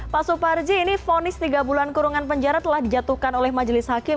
pak suparji ini fonis tiga bulan kurungan penjara telah dijatuhkan oleh majelis hakim